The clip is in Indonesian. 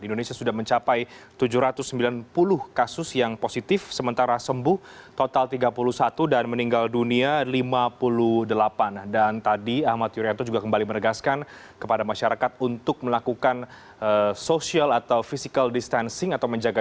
oleh karena itu kembali lagi